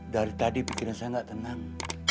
dari tadi pikiran saya nggak tenang